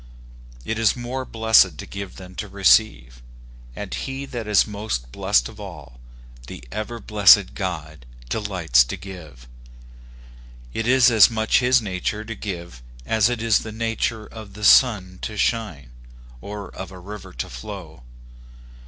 " It is more blessed to give than to receive ;and he that is most blest of all, the ever blessed God, delights to give. It is as much his nature to give as it is the nature of the sun to shine, or of a river to flow.